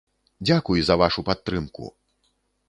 Дзякуй за вашу падтрымку!